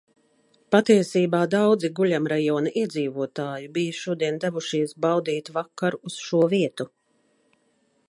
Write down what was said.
Patiesībā daudzi guļamrajona iedzīvotāji bija šodien devušies baudīt vakaru uz šo vietu.